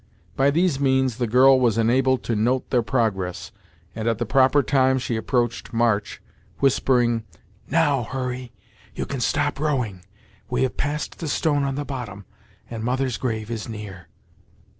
By these means the girl was enabled to note their progress, and at the proper time she approached March, whispering, "Now, Hurry you can stop rowing. We have passed the stone on the bottom, and mother's grave is near."